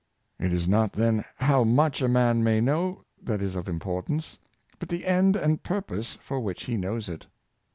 '' It IS not then how much a man may know, that is of importance, but the end and purpose for which he knows it.